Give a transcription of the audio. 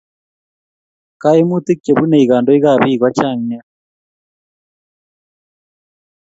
Kaimutik chebunei kandoik ab bik ko chang nea